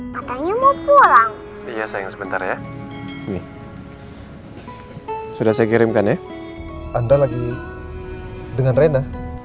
pak katanya mau pulang iya sayang sebentar ya ini sudah saya kirimkan ya anda lagi dengan rena